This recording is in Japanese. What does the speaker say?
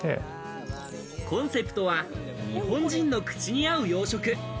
コンセプトは日本人の口に合う洋食。